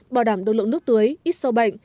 bảo đảm độ lượng nước tưới ít sâu bệnh